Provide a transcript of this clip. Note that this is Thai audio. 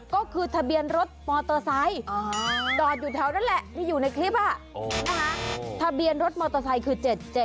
ก็คือทะเบียนรถมอเตอร์ไซค์จอดอยู่แถวนั้นแหละที่อยู่ในคลิปทะเบียนรถมอเตอร์ไซค์คือ๗๗